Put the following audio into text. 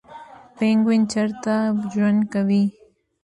پینګوین چیرته ژوند کوي؟